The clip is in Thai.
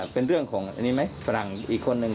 เป็นเรื่องของอันนี้ไหมฝรั่งอีกคนนึง